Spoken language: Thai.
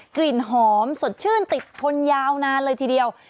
กลิ่นหอมสดชื่นติดคนยาวนานเลยทีเดียว